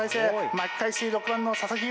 巻き返しに６番の佐々木悠